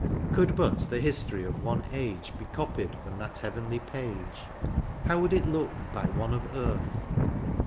Could but the history of one age Be copied firom that heavenly page. How would it look by one of earth